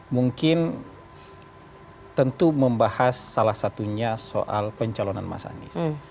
mungkin tentu membahas salah satunya soal pencalonan mas anies